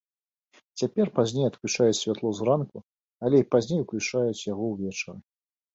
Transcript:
Цяпер пазней адключаюць святло зранку, але і пазней уключаюць яго ўвечары.